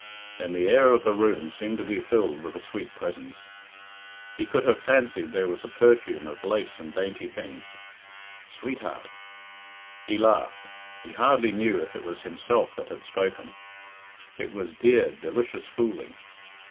Then the air of the room seemed to be filled with a sweet presence. He could have fancied there was a perfume of lace and dainty things. "Sweetheart!" He laughed he hardly knew if it was himself that had spoken. It was dear, delicious fooling.